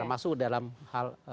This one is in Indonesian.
termasuk dalam hal